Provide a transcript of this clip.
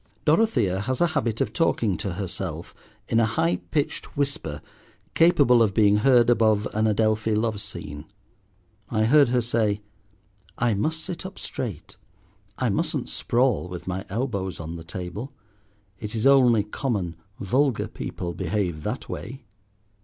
Dorothea has a habit of talking to herself in a high pitched whisper capable of being heard above an Adelphi love scene. I heard her say— "I must sit up straight. I mustn't sprawl with my elbows on the table. It is only common, vulgar people behave that way."